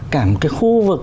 cả một cái khu vực